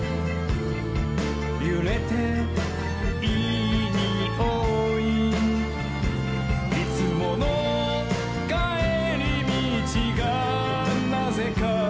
「ゆれていいにおい」「いつものかえりみちがなぜか」